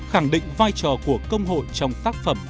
khẳng định vai trò của công hội trong tác phẩm